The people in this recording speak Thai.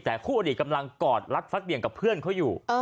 แต่คู่อดีตกำลังกอดรัดฟัดเบี่ยงกับเพื่อนเขาอยู่